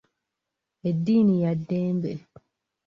Eddiini ya ddembe.